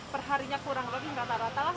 perharinya kurang lebih rata rata lah